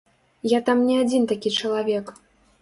Я там не адзін такі чалавек.